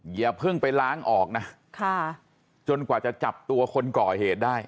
อย่าเพิ่งไปล้างออกนะจนกว่าจะจับตัวคนก่อเหตุได้